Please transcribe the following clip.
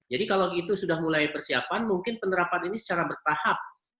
jadi kalau itu sudah mulai persiapan mungkin penerapan ini secara bertahap